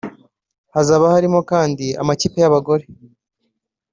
Hazaba harimo kandi amakipe y’abagore